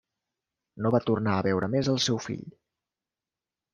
No va tornar a veure més el seu fill.